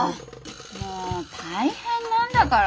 もう大変なんだから。